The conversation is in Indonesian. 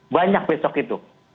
banyak besok itu